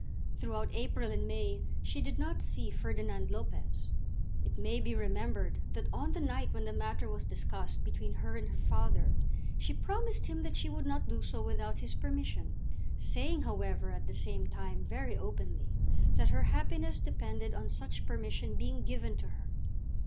Throughout April and May she did not see Ferdinand Lopez. It may be remembered that on the night when the matter was discussed between her and her father, she promised him that she would not do so without his permission, saying, however, at the same time very openly that her happiness depended on such permission being given to her.